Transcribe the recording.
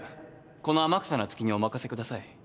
この天草那月にお任せください。